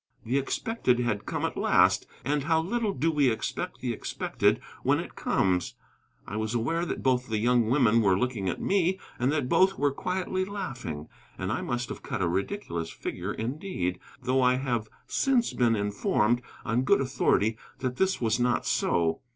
The expected had come at last; and how little do we expect the expected when it comes! I was aware that both the young women were looking at me, and that both were quietly laughing. And I must have cut a ridiculous figure indeed, though I have since been informed on good authority that this was not so.